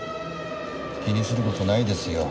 気にする事ないですよ。